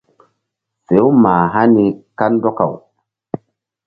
Fe-u mah hani kandɔkaw.